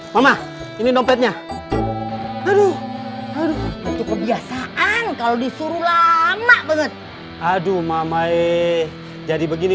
mama ini dompetnya aduh itu kebiasaan kalau disuruh lama banget aduh mama jadi begini